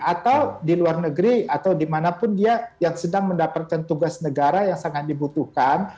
atau di luar negeri atau dimanapun dia yang sedang mendapatkan tugas negara yang sangat dibutuhkan